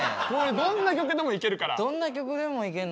どんな曲でもいけんの？